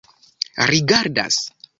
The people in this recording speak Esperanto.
rigardas